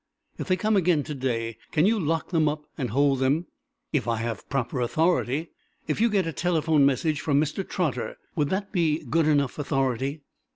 "If they come again to day can you lock them up and hold them?" "If I have proper authority." "If you get a telephone message from Mr. Trotter, would that be good enough authority?"